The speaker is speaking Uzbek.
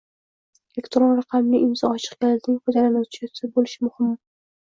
elektron raqamli imzo ochiq kalitining foydalanuvchisi bo‘lishi mumkin.